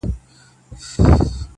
سیاه پوسي ده، ورځ نه ده شپه ده,